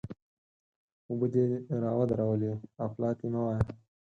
اوبه دې را ودرولې؛ اپلاتي مه وایه!